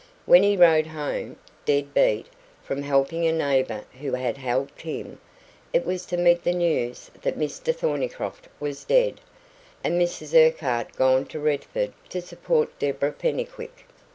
When he rode home, dead beat, from helping a neighbour who had helped him, it was to meet the news that Mr Thornycroft was dead, and Mrs Urquhart gone to Redford to support Deborah Pennycuick.